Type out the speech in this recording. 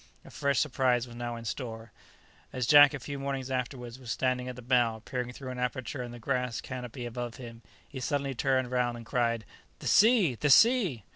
A fresh surprise was now in store. As Jack, a few mornings afterwards, was standing at the bow peering through an aperture in the grass canopy above him, he suddenly turned round and cried, "The sea! the sea!"